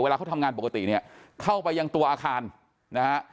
เวลาเขาทำงานปกติเนี่ยเข้าไปยังตัวอาคารนะฮะ